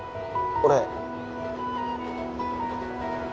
俺。